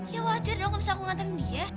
ya wajar dong gak bisa aku ngantarin dia